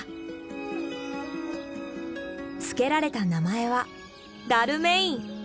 付けられた名前は「ダルメイン」。